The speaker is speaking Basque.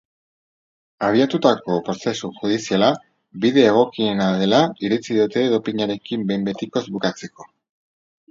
Abiatutako prozesu judiziala bide egokiena dela iritzi diote dopinarekin behin betikoz bukatzeko.